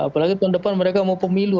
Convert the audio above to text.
apalagi pendepan mereka mau pemilu